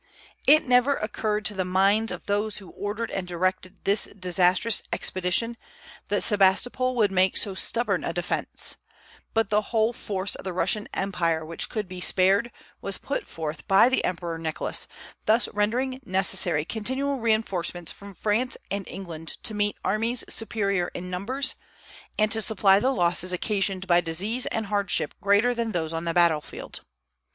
It never occurred to the minds of those who ordered and directed this disastrous expedition that Sebastopol would make so stubborn a defence; but the whole force of the Russian empire which could be spared was put forth by the Emperor Nicholas, thus rendering necessary continual reinforcements from France and England to meet armies superior in numbers, and to supply the losses occasioned by disease and hardship greater than those on the battlefield.